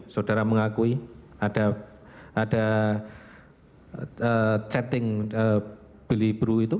saudara mengakui ada chatting biliblu itu